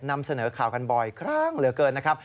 นำเสนอข่าวกันบ่อยครั้งเหลือเกินนะครับ